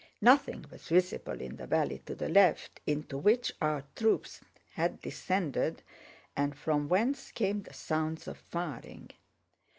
Nothing was visible in the valley to the left into which our troops had descended and from whence came the sounds of firing.